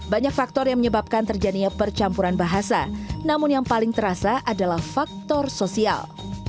banyak faktor yang menyebabkan terjadinya percampuran bahasa namun yang paling terasa adalah faktor sosial